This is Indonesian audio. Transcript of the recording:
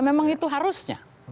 memang itu harusnya